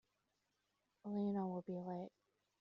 Elena will be late.